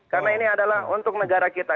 karena ini adalah untuk negara kita